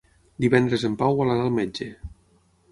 Divendres en Pau vol anar al metge.